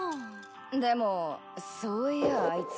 でもそういやあいつ。